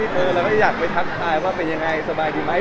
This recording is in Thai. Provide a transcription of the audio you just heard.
เราก็อยากไปทักทายว่าเป็นยังไงสบายดีไหม